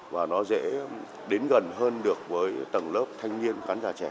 và nó dễ đến gần hơn được với tầng lớp thanh niên khán giả trẻ